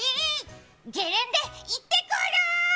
ゲレンデ、いってくる！